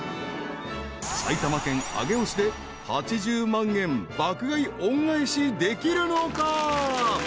［埼玉県上尾市で８０万円爆買い恩返しできるのか？］